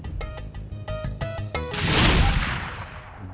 dan saling menjaga satu sama lain